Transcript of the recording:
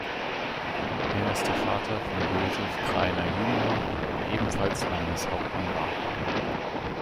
Er ist der Vater von Josef Krainer junior, der ebenfalls Landeshauptmann war.